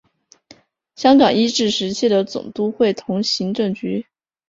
香港英治时期的总督会同行政局。